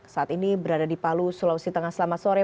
saat ini berada di palu sulawesi tengah selamat sore